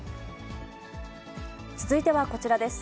続いてはこちらです。